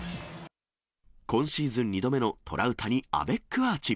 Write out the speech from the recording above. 今シーズン２度目のトラウタニアベックアーチ。